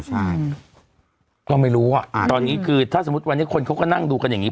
ใช่ก็ไม่รู้อ่ะอ่าตอนนี้คือถ้าสมมุติวันนี้คนเขาก็นั่งดูกันอย่างนี้